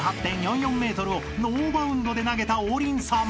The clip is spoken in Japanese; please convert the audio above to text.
ｍをノーバウンドで投げた王林さん］